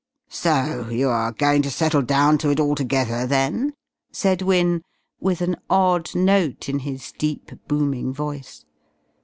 "So? You are going to settle down to it altogether, then?" said Wynne, with an odd note in his deep, booming voice.